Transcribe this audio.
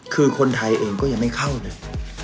คือคนไทยเองก็ยังไม่เข้าเลย